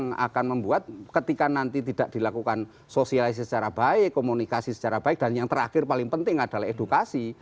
yang akan membuat ketika nanti tidak dilakukan sosialisasi secara baik komunikasi secara baik dan yang terakhir paling penting adalah edukasi